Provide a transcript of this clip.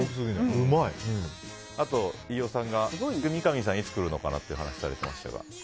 あと、飯尾さんが三上さんがいつ来るのかなと話をされていましたが。